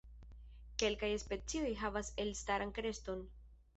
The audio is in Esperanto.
Kelkaj specioj havas elstaran kreston.